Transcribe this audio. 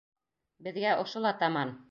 Беҙгә ошо ла таман.